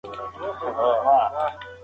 طبیعي منابع د ټولنې د پرمختګ لپاره حیاتي دي.